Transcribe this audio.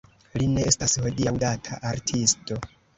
Li ne estas hodiaŭ-data artisto.